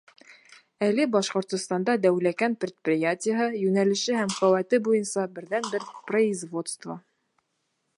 Әле Башҡортостанда Дәүләкән предприятиеһы — йүнәлеше һәм ҡеүәте буйынса берҙән-бер производство.